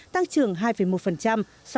tăng trưởng hai một so với cùng kỳ năm trước